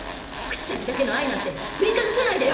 口先だけの愛なんてふりかざさないで！